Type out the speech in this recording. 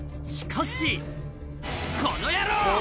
しかし「この野郎！